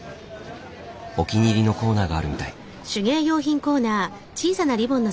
お気に入りのコーナーがあるみたい。